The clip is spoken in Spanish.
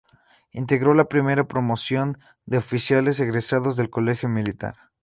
Integró la primera promoción de oficiales egresados del Colegio Militar.